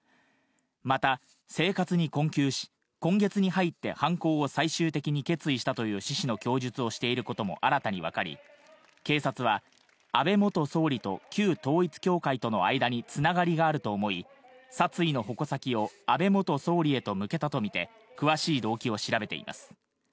また生活に困窮し、今月に入って犯行を最終的に決意したという趣旨の供述をしていることも新たに分かり、警察は安倍元総理と旧統一教会との間に繋がりがあると思い、殺意の矛先を安倍元総理へと向けたとみて、詳しい動機を調べています。